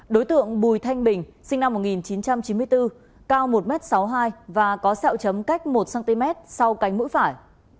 đối tượng bùi thanh bình sinh năm một nghìn chín trăm chín mươi bốn cao một m sáu mươi hai và có sẹo chấm cách một cm sau cánh mũi phải